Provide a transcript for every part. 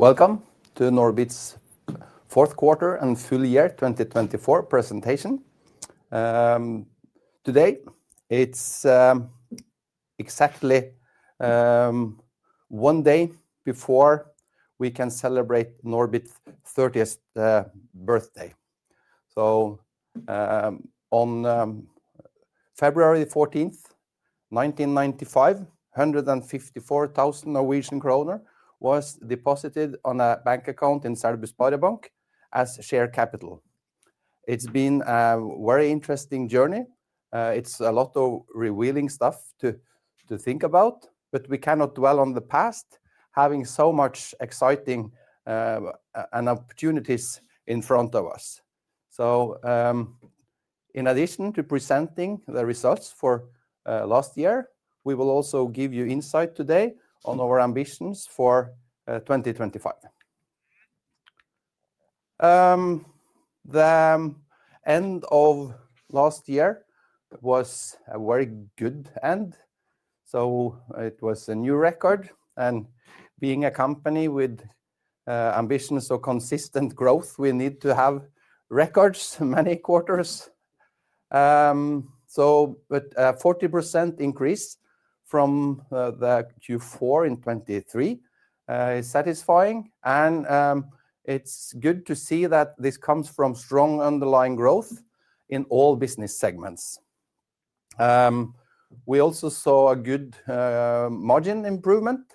Welcome to Norbit's fourth quarter and full year 2024 presentation. Today it's exactly one day before we can celebrate Norbit 30th birthday. On February 14th, 1995, 154,000 Norwegian kroner was deposited on a bank account in Surnadal SpareBank as share capital. It's been a very interesting journey. It's a lot of revealing stuff to think about. We cannot dwell on the past having so much exciting and opportunities in front of us. In addition to presenting the results for last year, we will also give you insight today on our ambitions for 2025. The end of last year was a very good end, so it was a new record. Being a company with ambitions of consistent growth, we need to have records many quarters. A 40% increase from Q4 in 2023 is satisfying and it's good to see that this comes from strong underlying growth in all business segments. We also saw a good margin improvement.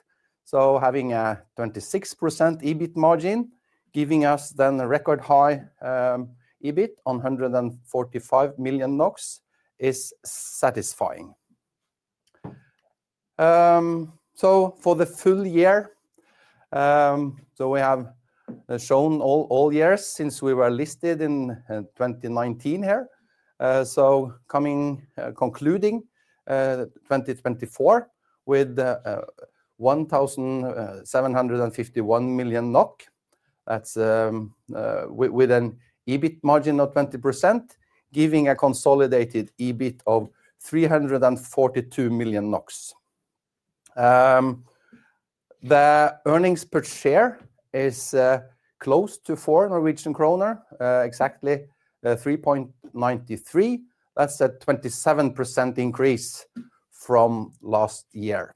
Having a 26% EBIT margin giving us then a record high EBIT on 145 million NOK is satisfying. For the full year, we have shown all years since we were listed in 2019 here. Coming to concluding 2024 with 1,751 million NOK, that's with an EBIT margin of 20% giving a consolidated EBIT of 342 million NOK. The earnings per share is close to 4 Norwegian kroner, exactly 3.93. That's a 27% increase from last year.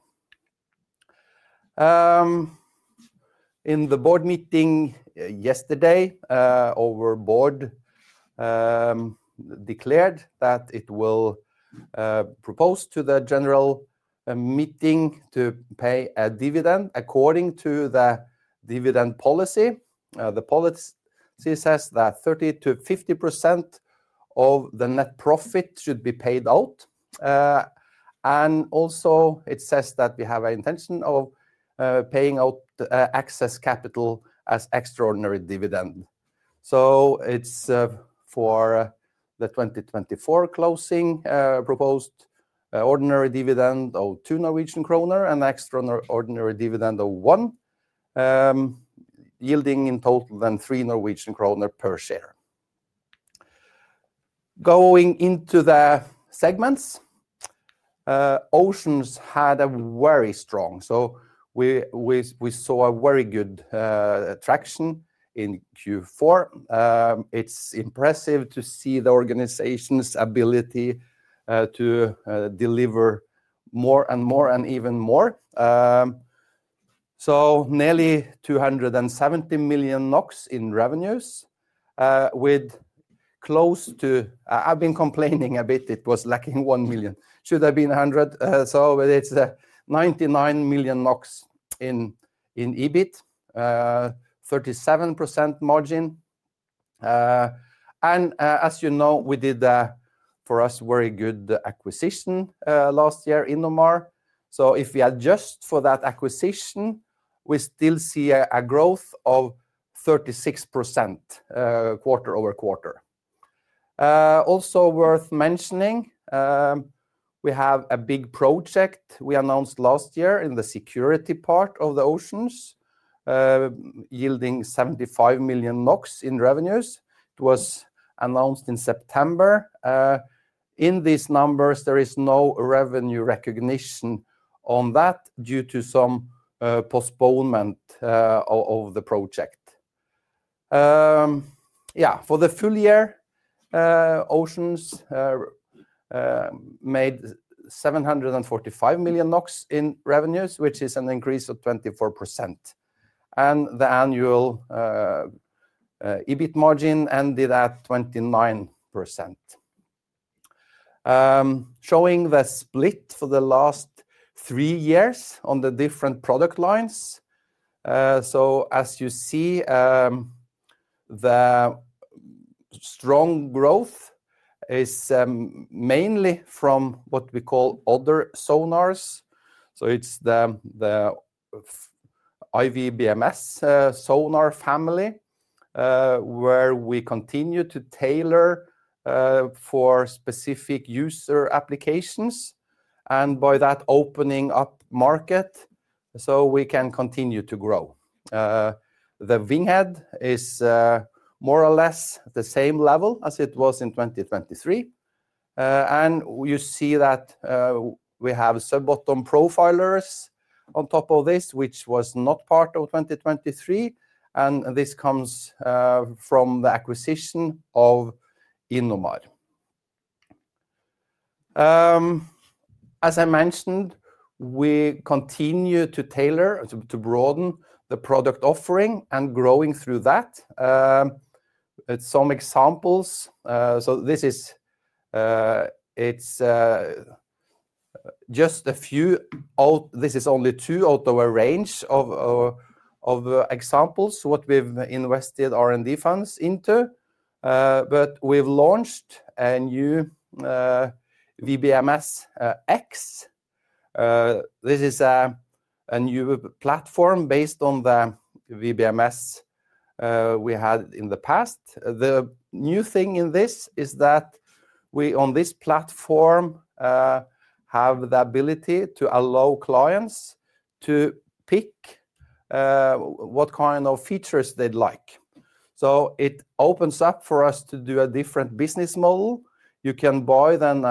In the board meeting yesterday, our board declared that it will propose to the general meeting to pay a dividend according to the dividend policy. The policy says that 30%-50% the net profit should be paid out. It also says that we have an intention of paying out excess capital as extraordinary dividend. It is for the 2024 closing proposed ordinary dividend of 2 Norwegian kroner and extraordinary dividend 0.1, yielding in total more than 3 Norwegian kroner per share. Going into the segments. Oceans had a very strong. We saw a very good traction in Q4. It's impressive to see the organization's ability to deliver more and more and even more. Nearly 270 million NOK in revenues with close to. I've been complaining a bit. It was lacking 1 million, should have been 100 million. So it's 99 million NOK in EBIT, 37% margin. As you know we did for us very good acquisition last year Innomar. If we adjust for that acquisition, we still see a growth of 36% quarter-over-quarter. Also worth mentioning, we have a big project we announced last year in the security part of the oceans yielding 75 million NOK in revenues. It was announced in September. In these numbers there is no revenue recognition on that due to some postponement of the project. Yeah. For the full year Oceans made 745 million NOK in revenues which is an increase of 24%. The annual EBIT margin ended at 29%. Showing the split for the last three years on the different product lines. As you see, the strong growth is mainly from what we call other sonars. It is the iWBMS sonar family where we continue to tailor for specific user applications and by that opening up market so we can continue to grow. The Winghead is more or less the same level as it was in 2023 and you see that we have sub-bottom profilers on top of this, which was not part of 2023. This comes from the acquisition of Innomar. As I mentioned, we continue to tailor to broaden the product offering and growing through that at some examples. It's just a few. This is only two out of a range of examples what we've invested R&D funds into. But we've launched a new iWBMS X. This is a new platform based on the iWBMS we had in the past. The new thing in this is that we on this platform have the ability to allow clients to pick what kind of features they'd like. It opens up for us to do a different business model. You can buy then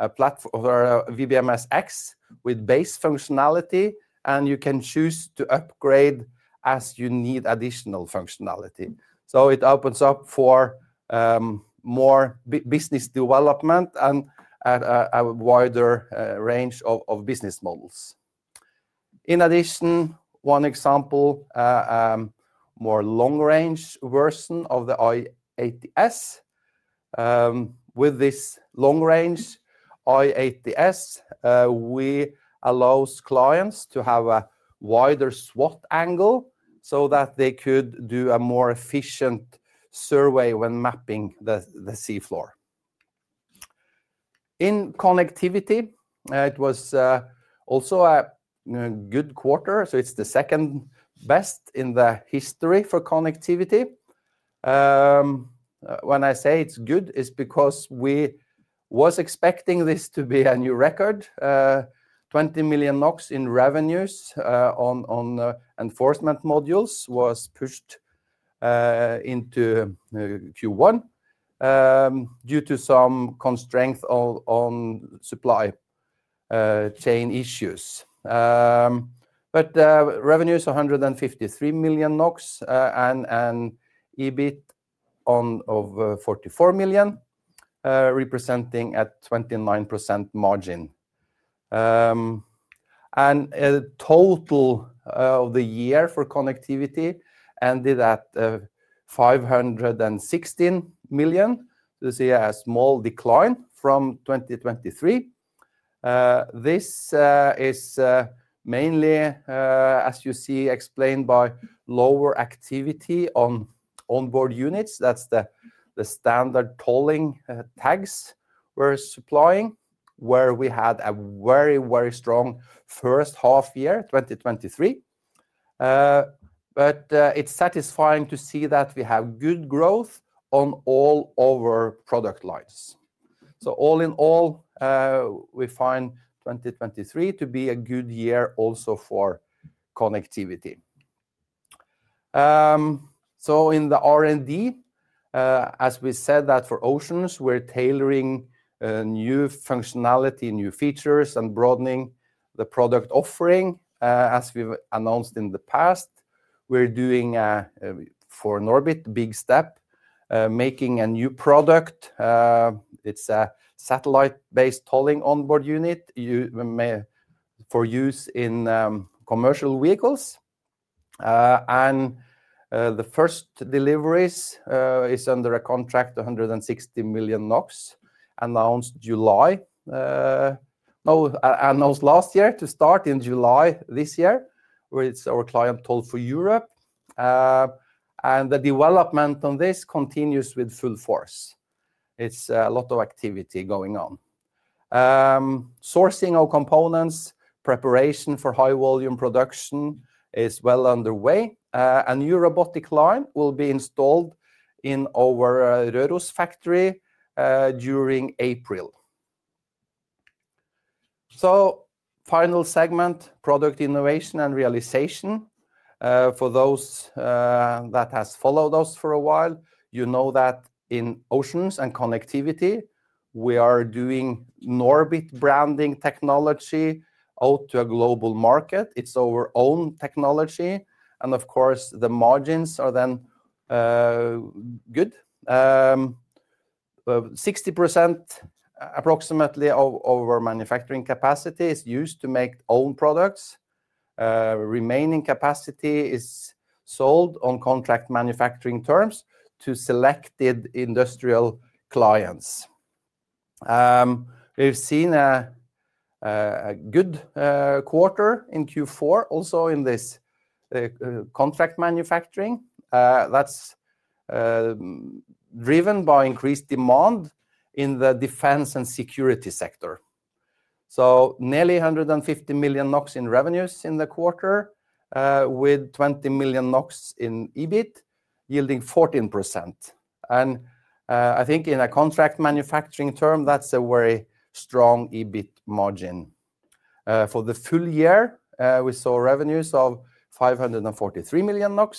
iWBMS X with base functionality and you can choose to upgrade as you need additional functionality. It opens up for more business development and a wider range of business models. In addition, one example, more long range version of the i80S. With this long range i80S we allows clients to have a wider swath angle so that they could do a more efficient survey when mapping the seafloor. In connectivity, it was also a good quarter. It is the second best in the history for connectivity. When I say it's good, it's because we was expecting this to be a new record. 20 million NOK in revenues on enforcement modules was pushed into Q1 due to some constraints on supply chain issues. Revenues 153 million NOK and EBIT of 44 million representing a 29% margin. Total of the year for Connectivity ended at 516 million. This is a small decline from 2023. This is mainly, as you see, explained by lower activity on On-Board Units. That's the standard tolling tags we're supplying, where we had a very, very strong first half year, 2023. It is satisfying to see that we have good growth on all our product lines. All in all, we find 2023 to be a good year also for Connectivity. In the R&D, as we said that for Oceans we're tailoring new functionality, new features and broadening the product offering. As we've announced in the past, we're doing for Norbit big steps making a new product. It's a satellite-based tolling On-Board Unit for use in commercial vehicles and the first deliveries is under a contract 160 million NOK announced July. Announced last year to start in July this year where it's our client Toll4Europe. The development on this continues with full force. It's a lot of activity going on. Sourcing of components. Preparation for high volume production is well underway. A new robotic line will be installed in our Røros factory during April. Final segment product innovation and realization. For those that have followed us for a while, you know that in Oceans and Connectivity we are doing Norbit branding technology out to a global market. It's our own technology and of course the margins are then good. 60% approximately of our manufacturing capacity is used to make own products. Remaining capacity is sold on contract manufacturing terms to selected industrial clients. We've seen a good quarter in Q4 also in this contract manufacturing that's driven by increased demand in the defense and security sector. Nearly 150 million NOK in revenues in the quarter with 20 million NOK in EBIT yielding 14%. I think in a contract manufacturing term that's a very strong EBIT margin. For the full year we saw revenues of 543 million NOK.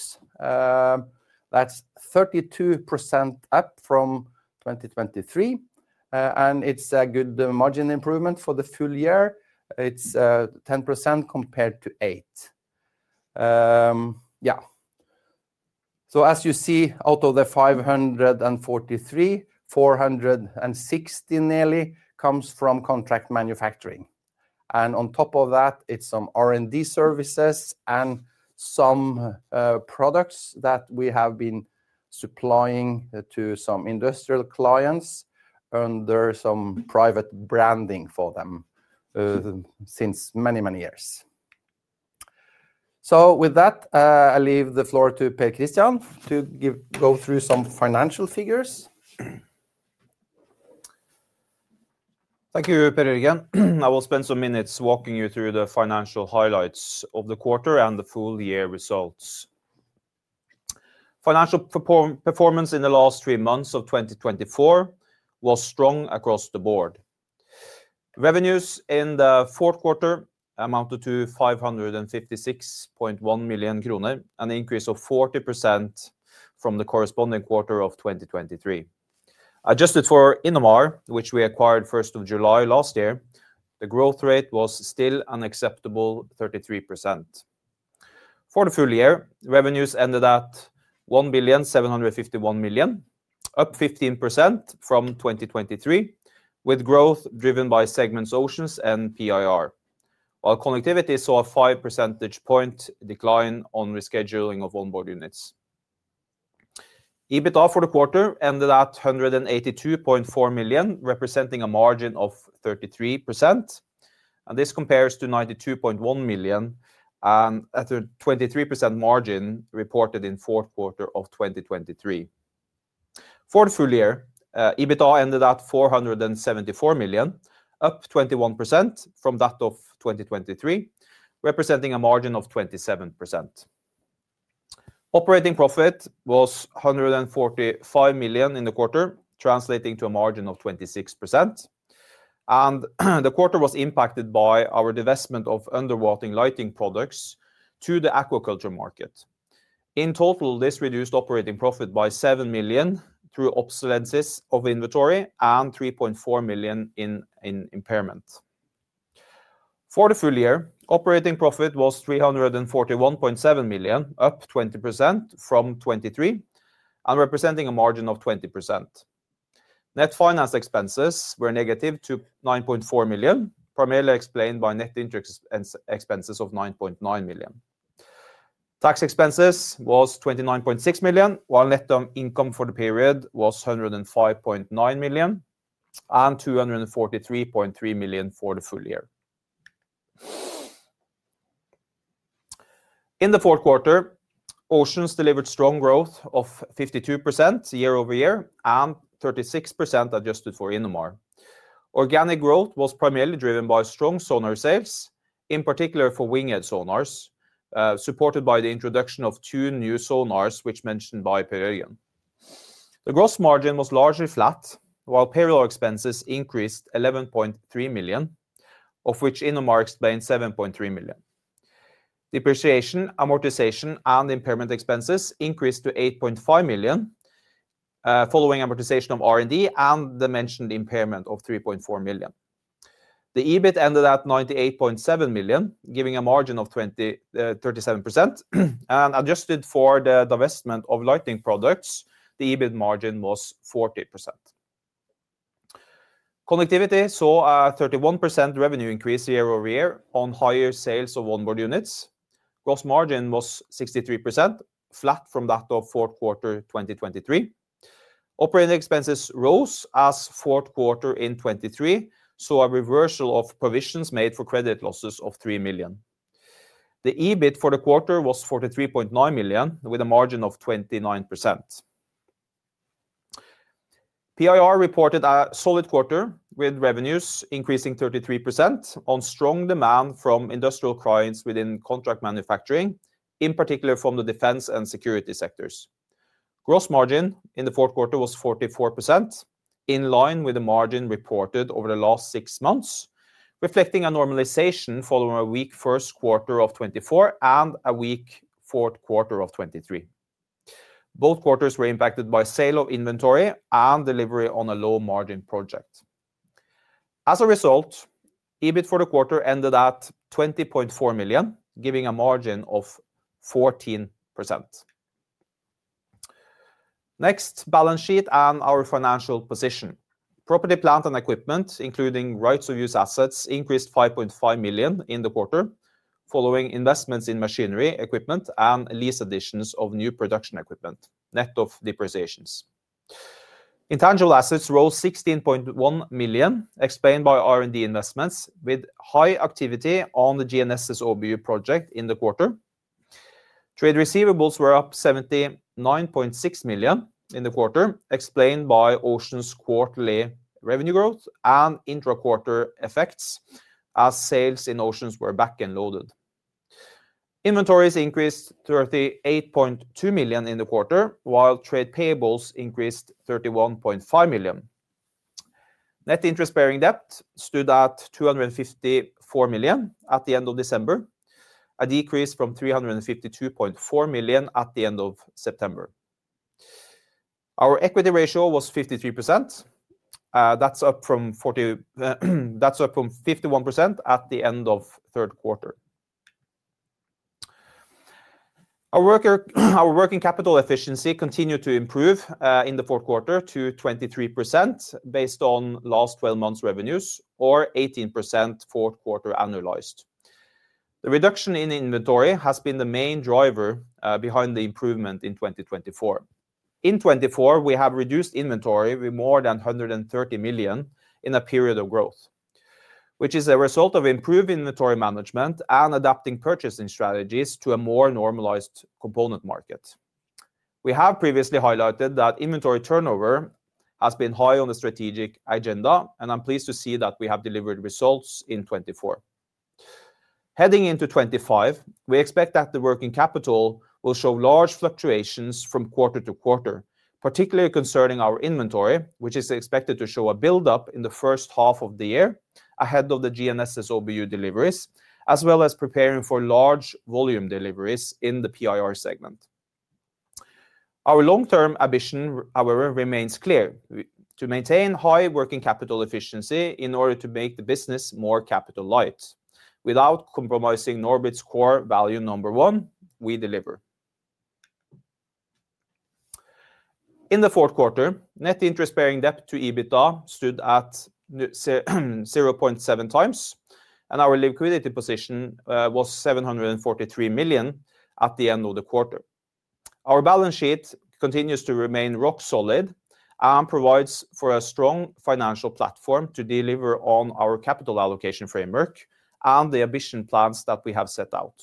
That's 32% up from 2023 and it's a good margin improvement for the full year, it's 10% compared to 8. Yeah. As you see, out of the 543, 460 nearly comes from contract manufacturing. On top of that, it is some R&D services and some products that we have been supplying to some industrial clients under some private branding for them since many, many years. With that I leave the floor to Per Kristian to go through some financial figures. Thank you, Per Jørgen. I will spend some minutes walking you through the financial highlights of the quarter and the full year results. Financial performance in the last three months of 2024 was strong across the board. Revenues in the fourth quarter amounted to 556.1 million kroner, an increase of 40% from the corresponding quarter of 2023. Adjusted for Innomar, which we acquired 1st of July last year, the growth rate was still an acceptable 33% for the full year. Revenues ended at 1,751,000,000, up 15% from 2023 with growth driven by segments Oceans and PIR, while Connectivity saw a 5 percentage point decline on rescheduling of On-Board Units. EBITDA for the quarter ended at 182.4 million representing a margin of 33% and this compares to 92.1 million at a 23% margin reported in fourth quarter of 2023. For the full year EBITDA ended at 474 million, up 21% from that of 2023, representing a margin of 27%. Operating profit was 145 million in the quarter translating to a margin of 26% and the quarter was impacted by our divestment of underwater lighting products to the aquaculture market. In total, this reduced operating profit by 7 million through obsoletes of inventory and 3.4 million in impairment. For the full year, operating profit was 341.7 million, up 20% from 2023 and representing a margin of 20%. Net finance expenses were negative 9.4 million, primarily explained by net interest expenses of 9.9 million. Tax expenses was 29.6 million while net income for the period was 105.9 million and 243.3 million for the full year. In the fourth quarter Oceans delivered strong growth of 52% year-over-year and 36% adjusted for Innomar. Organic growth was primarily driven by strong sonar sales, in particular for Winghead sonars supported by the introduction of two new sonars which mentioned by Per Jørgen. The gross margin was largely flat while payroll expenses increased as 11.3 million, of which Innomar explains 7.3 million. Depreciation, amortization and impairment expenses increased to 8.5 million following amortization of R&D and the mentioned impairment of 3.4 million. The EBIT ended at 98.7 million, giving a margin of 37% and adjusted for the divestment of lighting products, the EBIT margin was 4.40%. Connectivity saw a 31% revenue increase year-over-year on higher sales of On-Board Units. Gross margin was 63% flat from that of fourth quarter 2023. Operating expenses rose as fourth quarter in 2023 saw a reversal of provisions made for credit losses of 3 million. The EBIT for the quarter was 43.9 million with a margin of 29%. PIR reported a solid quarter with revenues increasing 33% on strong demand from industrial clients within contract manufacturing, in particular from the defense and security sectors. Gross margin in the fourth quarter was 44% in line with the margin reported over the last six months reflecting a normalization following a weak first quarter of 2024 and a weak fourth quarter of 2023. Both quarters were impacted by sale of inventory and delivery on a low margin project. As a result, EBIT for the quarter ended at 20.4 million giving a margin of 14%. Next, balance sheet and our financial position. Property, plant and equipment including rights of use assets increased 5.5 million in the quarter following investments in machinery, equipment and lease, additions of new production equipment, net of depreciations. Intangible assets rose 16.1 million explained by R&D investments with high activity on the GNSS OBU project in the quarter. Trade receivables were up 79.6 million in the quarter explained by Ocean's quarterly revenue growth and intra-quarter effects as sales in Oceans were back end loaded. Inventories increased 38.2 million in the quarter while trade payables increased 31.5 million. Net interest bearing debt stood at 254 million at the end of December, a decrease from 352.4 million at the end of September. Our equity ratio was 53%. That's up from 51% at the end of third quarter. Our working capital efficiency continued to improve in the fourth quarter to 23% based on last 12 months revenues or 18% fourth quarter annualized. The reduction in inventory has been the main driver behind the improvement in 2024. In 2024 we have reduced inventory with more than 130 million in a period of growth which is a result of improved inventory management and adapting purchasing strategies to a more normalized component market. We have previously highlighted that inventory turnover has been high on the strategic agenda and I'm pleased to see that we have delivered results in 2024. Heading into 2025, we expect that the working capital will show large fluctuations from quarter to quarter, particularly concerning our inventory which is expected to show a build up in the first half of the year ahead of the GNSS OBU deliveries as well as preparing for large volume deliveries in the PIR segment. Our long term ambition however remains clear to maintain high working capital efficiency in order to make the business more capital light without compromising Norbit's core value number one, we deliver. In the fourth quarter net interest bearing debt to EBITDA stood at 0.7 times and our liquidity position was 743 million at the end of the quarter. Our balance sheet continues to remain rock solid and provides for a strong financial platform to deliver on our capital allocation framework and the ambition plans that we have set out.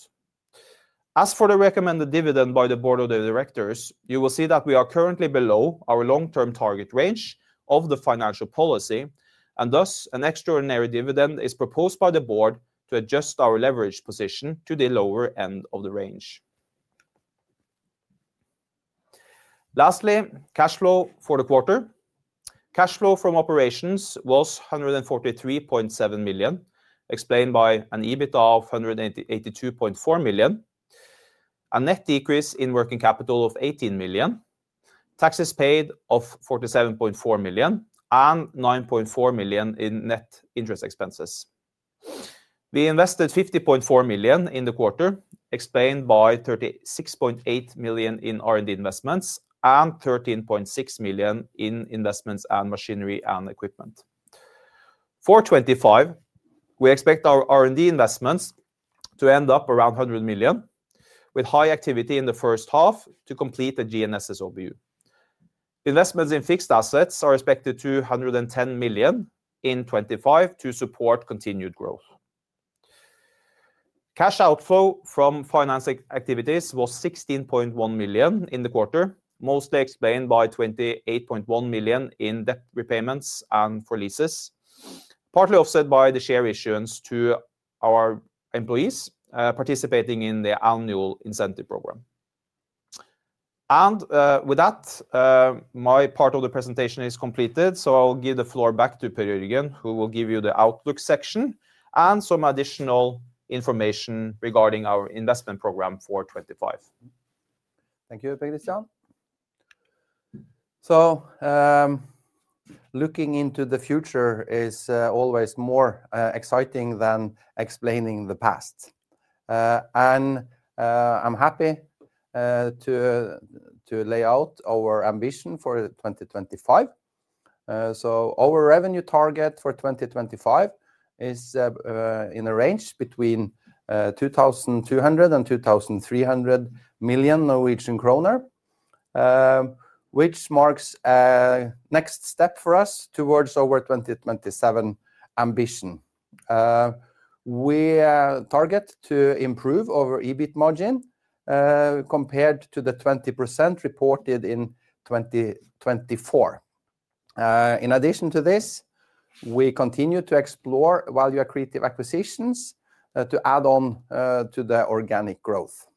As for the recommended dividend by the Board of Directors, you will see that we are currently below our long term target range of the financial policy and thus an extraordinary dividend is proposed by the board to adjust our leverage position to the lower end of the range. Lastly, cash flow for the quarter. Cash flow from operations was 143.7 million, explained by an EBITDA of 182.4 million, a net decrease in working capital of 18 million, taxes paid of 47.4 million, and 9.4 million in net interest expenses. We invested 50.4 million in the quarter, explained by 36.8 million in R&D investments and 13.6 million in investments in machinery and equipment for 2025. We expect our R&D investments to end up around 100 million with high activity in the first half to complete the GNSS OBU, investments in fixed assets are expected to be 110 million in 2025 to support continued growth. Cash outflow from finance activities was 16.1 million in the quarter, mostly explained by 28.1 million in debt repayments and for leases partly offset by the share issuance to our employees participating in the annual incentive program. With that my part of the presentation is completed. I will give the floor back to Per Jørgen who will give you the outlook section and some additional information regarding our investment program for 2025. Thank you, Per Kristian. So looking into the future is always more exciting than explaining the past. I am happy to lay out our ambition for 2025. Our revenue target for 2025 is in a range between 2,200 million-2,300 million Norwegian kroner, which marks a next step for us towards our 2027 ambition. We target to improve our EBIT margin compared to the 20% reported in 2024. In addition to this, we continue to explore value accretive acquisitions to add on to the organic growth.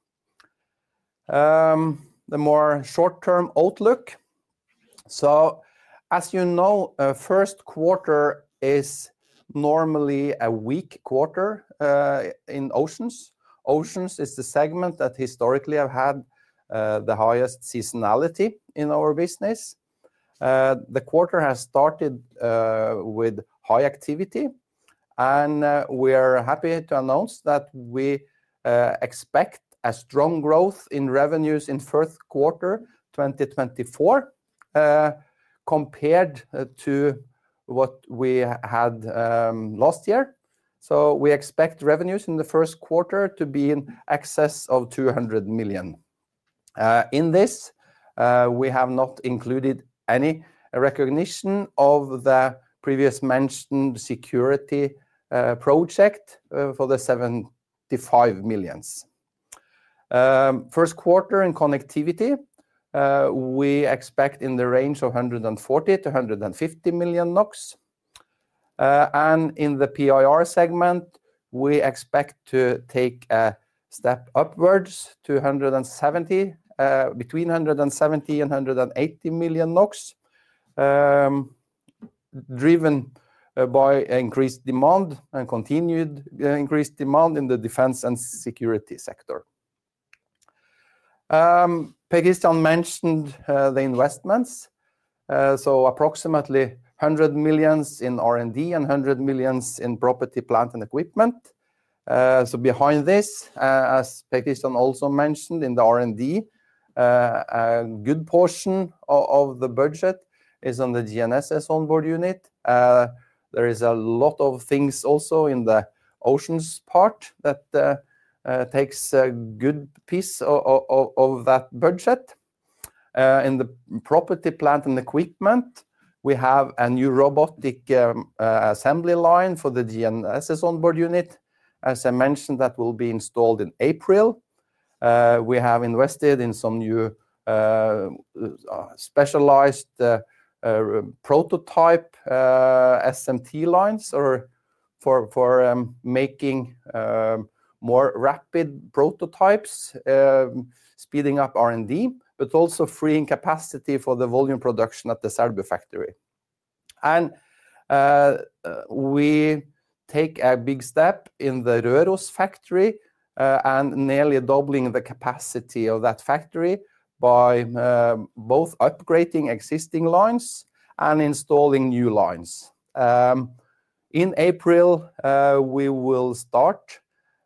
The more short term outlook. As you know, first quarter is normally a weak quarter in Oceans. Oceans is the segment that historically have had the highest seasonality in our business. The quarter has started with high activity and we are happy to announce that we expect a strong growth in revenues in first quarter 2024 compared to what we had last year. We expect revenues in the first quarter to be in excess of 200 million. In this we have not included any recognition of the previous mentioned security project for the 75 million. First quarter. In connectivity we expect in the range of 140 million-150 million NOK. And in the PIR segment we expect to take step upwards to between 170 million NOK and 180 million NOK driven by increased demand and continued increased demand in the defense and security sector. Reppe mentioned the investments, so approximately 100 million in R&D and 100 million in property, plant and equipment. Behind this, as Per Kristian also mentioned, in the R&D, a good portion of the budget is on the GNSS On-Board Unit. There is a lot of things also in the Oceans part that takes a good piece of that budget. In the property, plant and equipment, we have a new robotic assembly line for the GNSS On-Board Unit, as I mentioned, that will be installed in April. We have invested in some new specialized prototype SMT lines for making more rapid prototypes, speeding up R&D but also freeing capacity for the volume production at the Serbia factory. We take a big step in the Røros factory and nearly doubling the capacity of that factory by both upgrading existing lines and installing new lines. In April we will start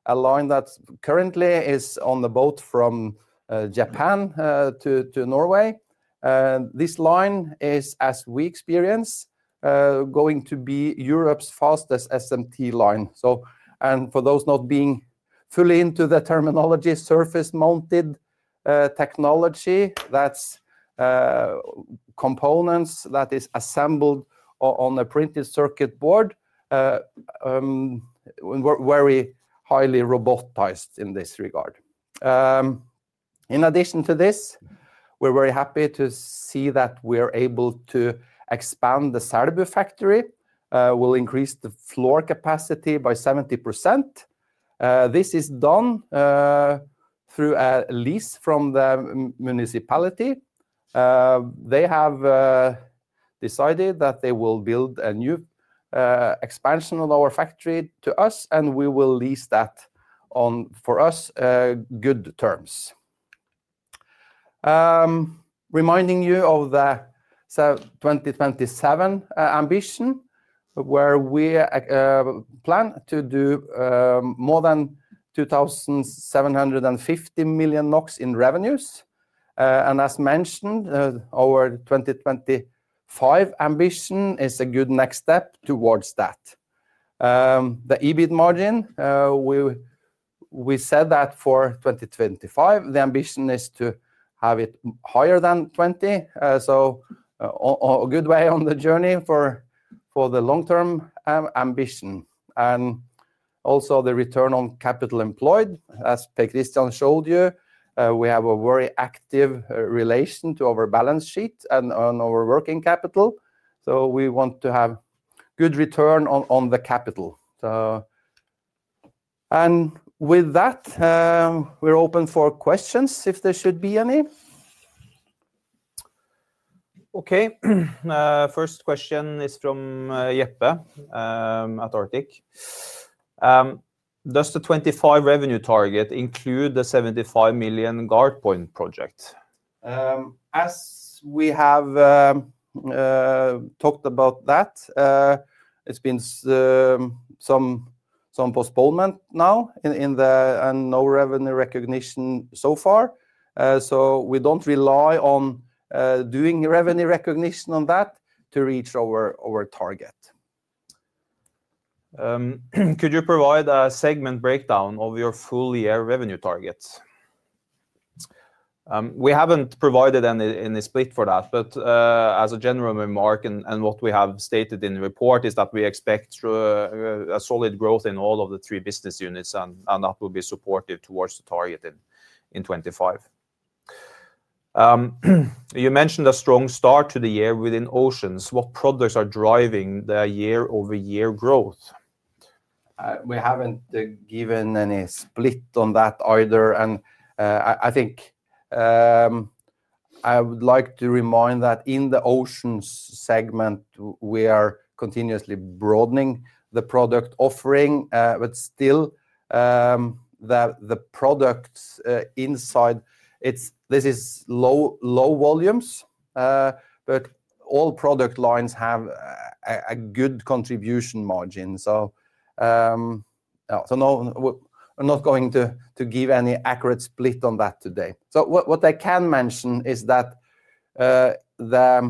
a line that currently is on the boat from Japan to Norway. This line is, as we experience, going to be Europe's fastest SMT line. And for those not being fully into the terminology, surface mount technology, that's components that is assembled on a printed circuit board. Very highly robotized in this regard. In addition to this, we're very happy to see that we're able to expand the Serbia factory. We'll increase the floor capacity by 70%. This is done through a lease from the municipality. They have decided that they will build a new expansion of our factory to us and we will lease that on for us good terms. Reminding you of the 2027 ambition where we plan to do more than 2,750 million NOK in revenues, and as mentioned, our 2025 ambition is a good next step towards that. The EBIT margin, we said that for 2025 the ambition is to have it higher than 20. So a good way on the journey for the long term ambition and also the return on capital employed. As Per Kristian showed you, we have a very active relation to our balance sheet and on our working capital. So we want to have good return on the capital. With that we're open for questions, if there should be any. Okay, first question is from Jeppe at Arctic. Does the 2025 revenue target include the 75 million GuardPoint project? As we have talked about that, it's been some postponement now and no revenue recognition so far. So we don't rely on doing revenue recognition on that to reach our target. Could you provide a segment breakdown of your full year revenue targets? We haven't provided any split for that, but as a general remark and what we have stated in the report is that we expect a solid growth in all of the three business units and that will be supportive towards the target in 2025. You mentioned a strong start to the year within Oceans. What products are driving the year-over-year growth? We haven't given any split on that either, and I think. I would like to remind that in the ocean segment we are continuously broadening the product offering but still the products inside this is low volumes. But all product lines have a good contribution margin. So I'm not going to give any accurate split on that today. So what I can mention is that the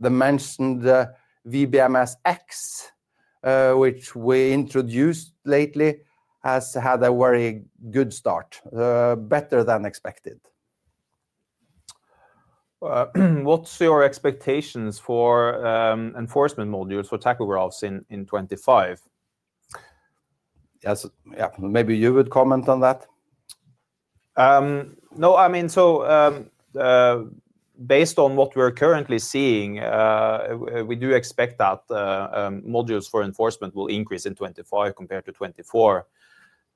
mentioned iWBMS X which we introduced lately has had a very good start, better than expected. What's your expectations for enforcement modules for tachographs in 2025? Yes, maybe you would comment on that. No, I mean. So based on what we're currently seeing, we do expect that enforcement modules will increase in 2025 compared to 2024.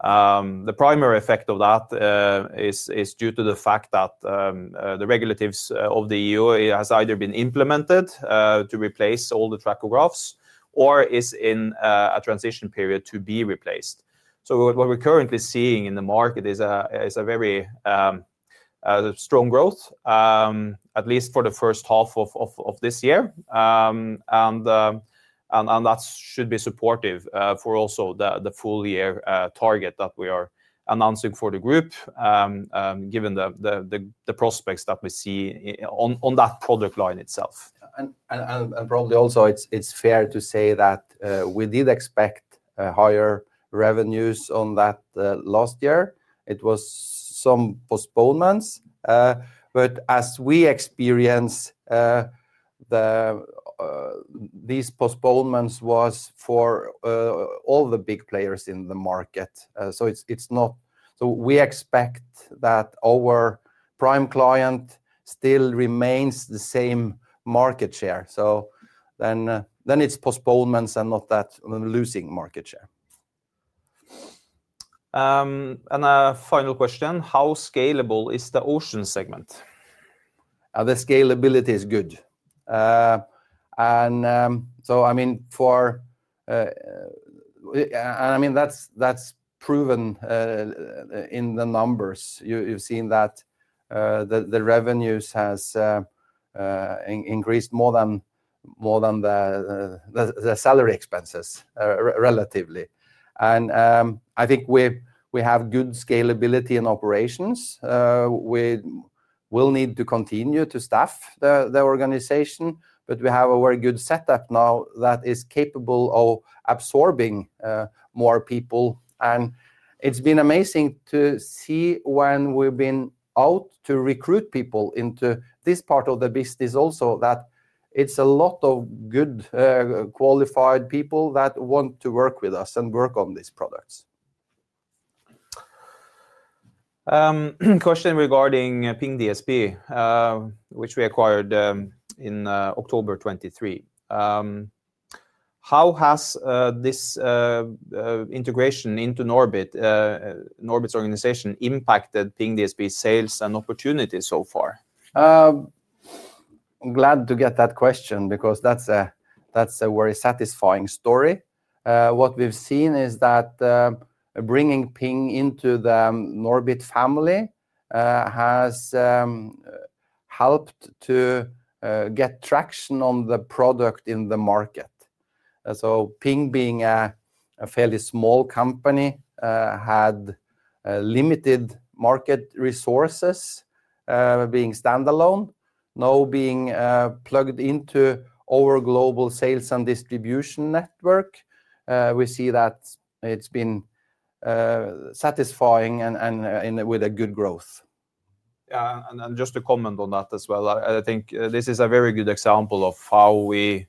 The primary effect of that is due to the fact that the regulations of the EU has either been implemented to replace all the tachographs or is in a transition period to be replaced. So what we're currently seeing in the market is a very strong growth, at least for the first half of this year. That should be supportive for also the full year target that we are announcing for the group given the prospects that we see on that product line itself. And probably also it's fair to say that we did expect higher revenues on that last year. It was some postponements, but as we experience these postponements was for all the big players in the market. So it's not. So we expect that over prime client still remains the same market share. So then it's postponements and not that losing market share. A final question, how scalable is the ocean segment? The scalability is good. And so, I mean, for. I mean that's proven in the numbers you've seen that the revenues has increased more than the salary expenses relatively. And I think we have good scalability in operations. We will need to continue to staff the organization, but we have a very good setup now that is capable of absorbing more people. And it's been amazing to see when we've been out to recruit people into this part of the business. Also that it's a lot of good qualified people that want to work with us and work on these products. Question regarding Ping DSP, which we acquired in October 23rd, 2023. How has this integration into Norbit's organization impacted Ping DSP sales and opportunities so far? Glad to get that question because that's a very satisfying story. What we've seen is that bringing Ping into the Norbit family has helped to get traction on the product in the market. So Ping, being a fairly small company, had limited market resources. Being standalone, now being plugged into our global sales and distribution network, we see that it's been satisfying with a good growth. And just to comment on that as well, I think this is a very good example of how we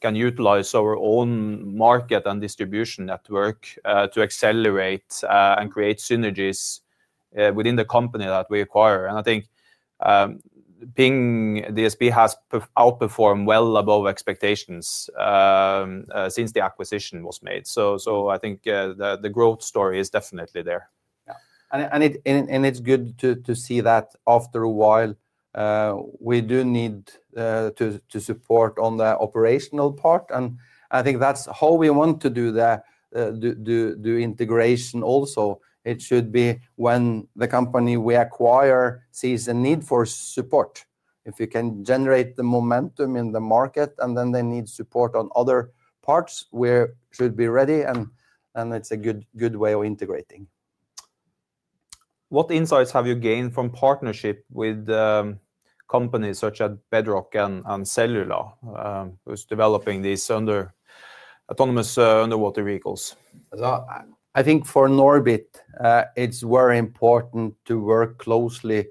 can utilize our own market and distribution network to accelerate and create synergies within the company that we acquire. And I think Ping DSP has outperformed well above expectations since the acquisition was made. So I think the growth story is definitely there. It's good to see that after a while. We do need support on the operational part, and I think that's how we want to do integration. Also, it should be when the company we acquire sees a need for support. If you can generate the momentum in the market and then they need support on other parts, we should be ready, and it's a good way of integrating. What insights have you gained from partnership with companies such as Bedrock and Cellula who's developing these autonomous underwater vehicles? I think for Norbit it's very important to work closely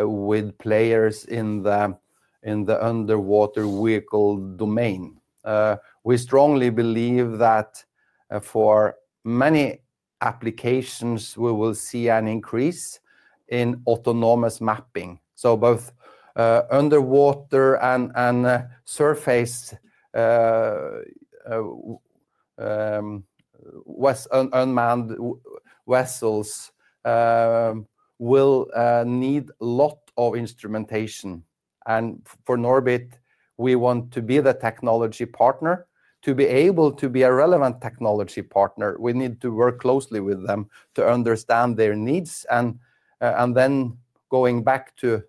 with players in the underwater vehicle domain. We strongly believe that for many applications we will see an increase in autonomous mapping. So both underwater and surface with unmanned vessels will need a lot of instrumentation. And for Norbit, we want to be the technology partner. To be able to be a relevant technology partner, we need to work closely with them to understand their needs and then going back to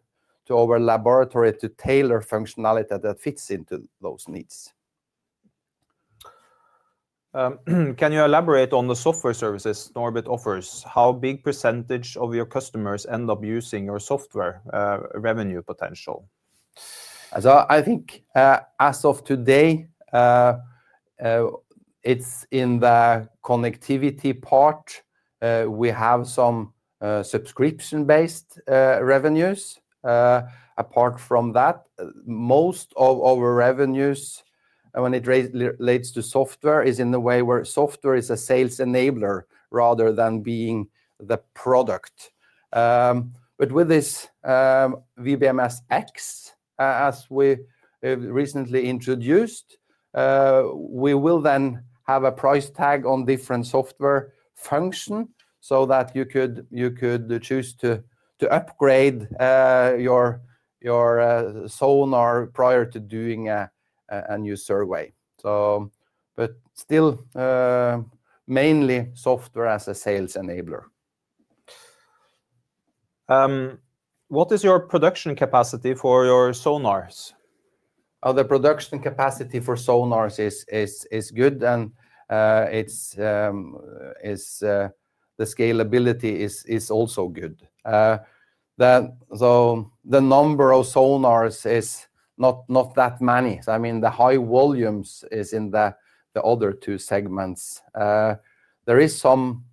our laboratory to tailor functionality that fits into those needs. Can you elaborate on the software services Norbit offers? How big percentage of your customers end up using your software revenue potential? So I think as of today it's in the connectivity part we have some subscription based revenues. Apart from that, most of our revenues when it relates to software is in the way where software is a sales enabler rather than being the product. But with this iWBMS X, as we recently introduced, we will then have a price tag on different software function so that you could choose to upgrade your sonar prior to doing a new survey. But still mainly software as a sales enabler. What is your production capacity for your sonars? The production capacity for sonars is good and the scalability is also good. The number of sonars is not that many. I mean the high volumes is in the other two segments. There is some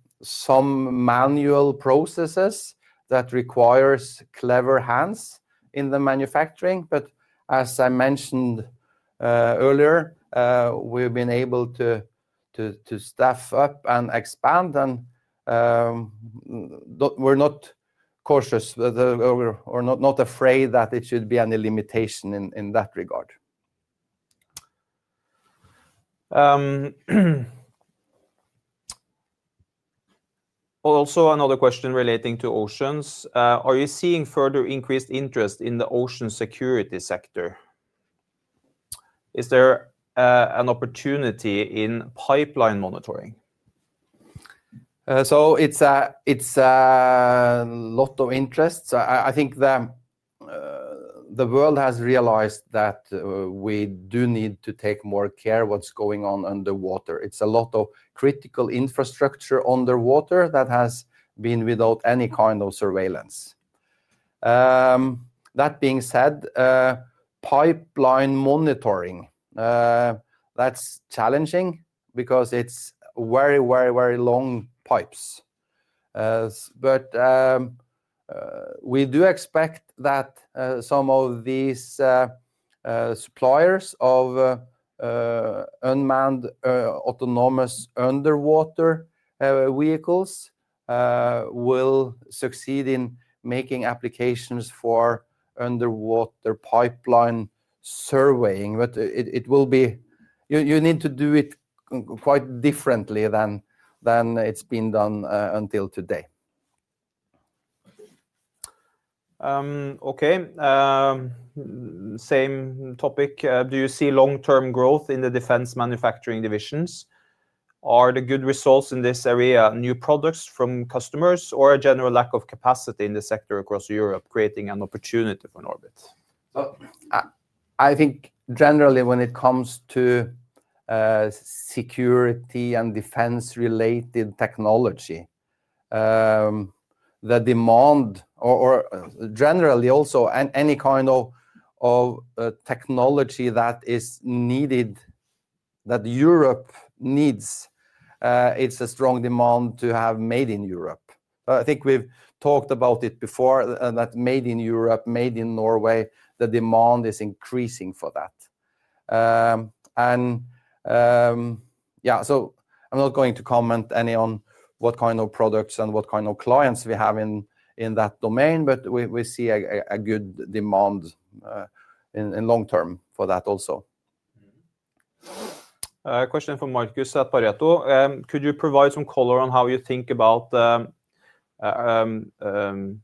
manual processes that requires clever hands in the manufacturing. But as I mentioned earlier, we've been able to staff up and expand and we're not cautious or not afraid that it should be any limitation in that regard. Also another question relating to oceans. Are you seeing further increased interest in the ocean security sector? Is there an opportunity in pipeline monitoring? It's a lot of interests. I think the world has realized that we do need to take more care what's going on underwater. It's a lot of critical infrastructure underwater that has been without any kind of surveillance. That being said, pipeline monitoring, that's challenging because it's very, very, very long pipes. But we do expect that some of these suppliers of unmanned autonomous underwater vehicles will succeed in making applications for underwater pipeline surveying. But you need to do it quite differently than it's been done until today. Okay. Same topic. Do you see long-term growth in the defense manufacturing divisions? Are the good results in this area, new products from customers or a general lack of capacity in the sector across Europe creating an opportunity for Norbit? I think generally when it comes to security and defense related technology, the demand, or generally also any kind of technology that is needed that Europe needs, it's a strong demand to have made in Europe. I think we've talked about it before, that made in Europe, made in Norway, the demand is increasing for that. Yeah, so I'm not going to comment on what kind of products and what kind of clients we have in that domain, but we see a good demand in long term for that also. Question from Marcus at Pareto. Could you provide some color on how you think about around 20%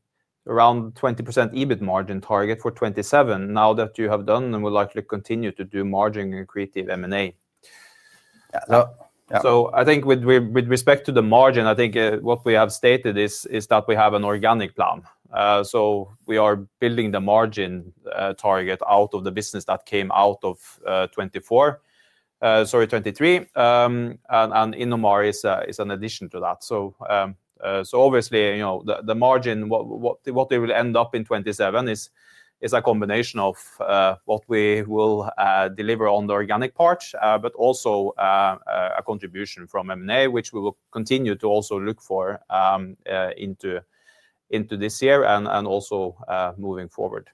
EBIT margin target for 2027 now that you have done and will likely continue to do margin accretive M&A. So I think with respect to the margin, I think what we have stated is that we have an organic plan. So we are building the margin target out of the business that came out of 2023 and Innomar is an addition to that. So obviously the margin, what they will end up in 2027 is a combination of what we will deliver on the organic part but also a contribution from MA which we will continue to also look for into this year and also moving forward.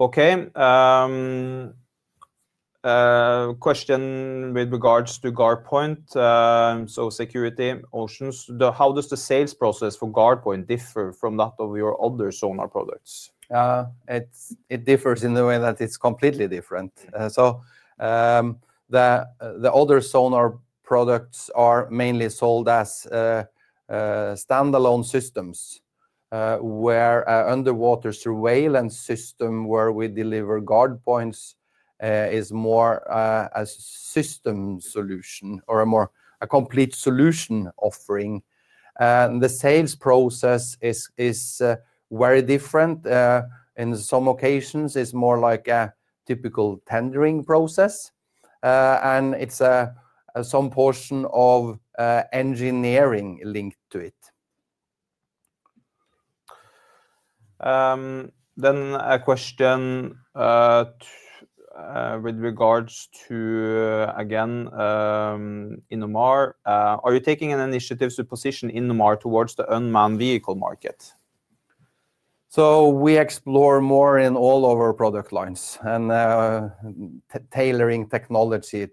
Okay. Question with regards to GuardPoint Security Oceans, how does the sales process for GuardPoint differ from that of your other sonar products? It differs in the way that it's completely different. So the other sonar products are mainly sold as standalone systems where underwater surveillance system we deliver GuardPoint is more a system solution or a more complete solution offering. The sales process is very different. In some occasions it's more like a typical tendering process and it's some portion of engineering linked to it. Then a question with regards to again Innomar, are you taking an initiative to position Innomar towards the unmanned vehicle market? So we explore more in all of our product lines and tailoring technology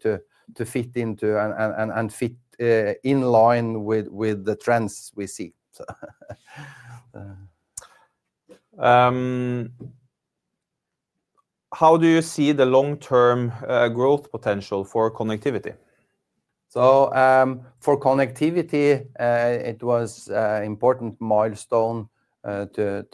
to fit into and fit in line with the trends we see. So how do you see the long-term growth potential for connectivity? So for connectivity it was important milestone to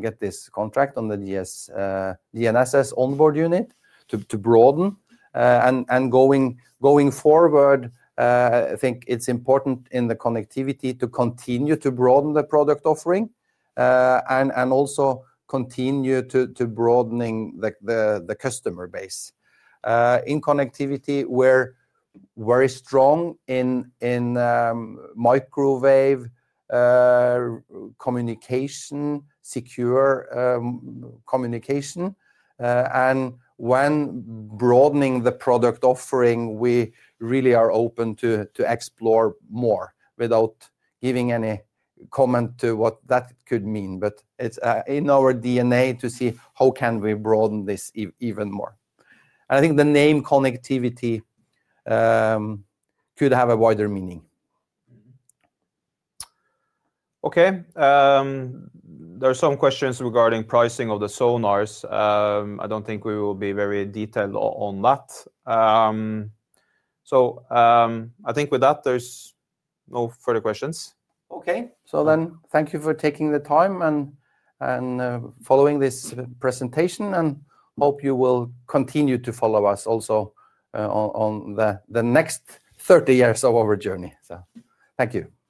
get this contract on the GNSS on-board unit to broaden and going forward I think it's important in the connectivity to continue to broaden the product offering and also continue to broaden the customer base. In connectivity we're very strong in microwave communication, secure communication. When broadening the product offering we really are open to explore more without giving any comment to what that could mean, but it's in our DNA to see how can we broaden this even more. I think the name connectivity could have a wider meaning. Okay. There are some questions regarding pricing of the sonars. I don't think we will be very detailed on that. So I think with that there's no further questions. Okay, so then, thank you for taking the time and following this presentation, and hope you will continue to follow us also on the next 30 years of our journey. Thank you.